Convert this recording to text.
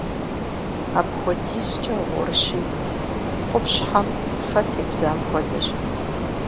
Апхуэдизкӏэ гъурщи, къупщхьэм фэ тебзам хуэдэщ.